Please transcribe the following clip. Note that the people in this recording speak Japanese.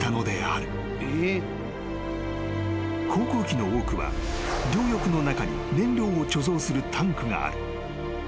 ［航空機の多くは両翼の中に燃料を貯蔵するタンクがある］